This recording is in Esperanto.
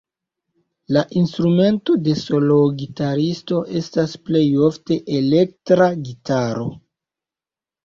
La instrumento de soloo-gitaristo estas plejofte elektra gitaro.